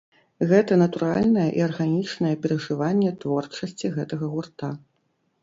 Гэта натуральнае і арганічнае перажыванне творчасці гэтага гурта.